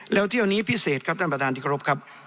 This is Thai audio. แล้วเที่ยวนี้พิเศษครับท่านประธานที่เคารพครับ